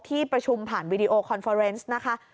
ที่ประชุมผ่านวีดีโอคอนเฟอร์เนสนะคะ